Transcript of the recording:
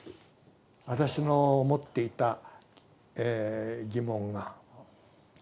私の持っていた疑問が。